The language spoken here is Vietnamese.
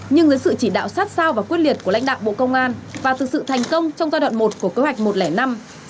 nhưng dưới sự chỉ đạo sát sao và quyết liệt của lãnh đạo bộ công an và thực sự thành công trong giai đoạn một của kế hoạch một trăm linh năm